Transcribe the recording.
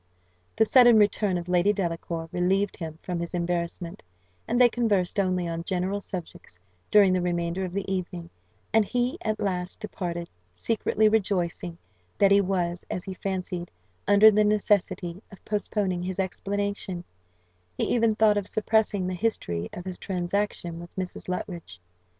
The sudden return of Lady Delacour relieved him from his embarrassment, and they conversed only on general subjects during the remainder of the evening; and he at last departed, secretly rejoicing that he was, as he fancied, under the necessity of postponing his explanation; he even thought of suppressing the history of his transaction with Mrs. Luttridge.